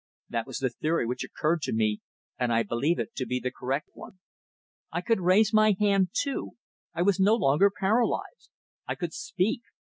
That was the theory which occurred to me, and I believe it to be the correct one. I could raise my hand, too. I was no longer paralysed. I could speak.